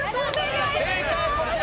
では正解こちら。